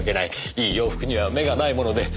いい洋服には目がないもので。